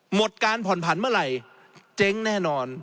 หมดการผ่อนผันเมื่อไหร่เจ๊งแน่นอน